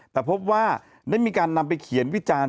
แต่พบว่าได้มีการนำไปเขียนวิจารณ์